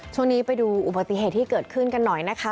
ช่วงนี้ไปดูอุบัติเหตุที่เกิดขึ้นกันหน่อยนะคะ